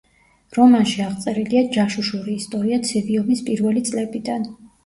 რომანში აღწერილია ჯაშუშური ისტორია ცივი ომის პირველი წლებიდან.